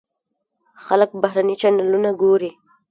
خلک بهرني چینلونه ګوري.